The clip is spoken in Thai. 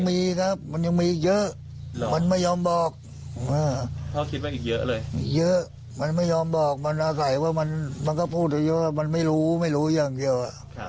อีกเยอะมันไม่ยอมบอกมันอาศัยว่ามันก็พูดเยอะมันไม่รู้ไม่รู้อย่างเกี่ยว